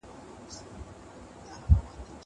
هغه وويل چي خبري ګټوري دي!